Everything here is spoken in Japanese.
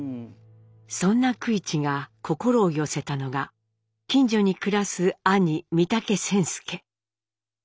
そんな九一が心を寄せたのが近所に暮らす兄三竹仙助。